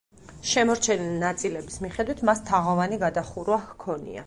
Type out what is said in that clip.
შემორჩენილი ნაწილების მიხედვით, მას თაღოვანი გადახურვა ჰქონია.